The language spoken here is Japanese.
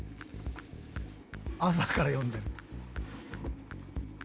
朝から読んでる。